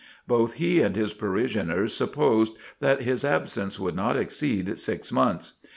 Both he and his parishioners supposed that his absence would not exceed six months.